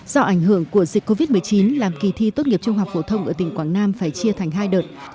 do ảnh hưởng của dịch covid một mươi chín làm kỳ thi tốt nghiệp trung học phổ thông ở tỉnh quảng nam phải chia thành hai đợt